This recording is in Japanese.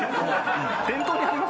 店頭に張ります？